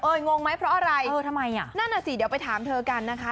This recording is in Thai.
เอองงไหมเพราะอะไรนั่นเหรอสิเดี๋ยวไปถามเธอกันนะคะ